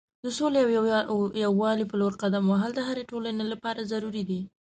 د سولې او یووالي په لور قدم وهل د هرې ټولنې لپاره ضروری دی.